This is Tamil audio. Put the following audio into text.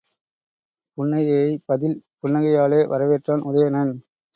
புன்னகையைப் பதில் புன்னகையாலே வரவேற்றான் உதயணன்.